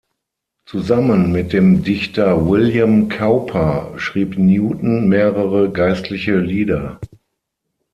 Zusammen mit dem Dichter William Cowper schrieb Newton mehrere geistliche Lieder.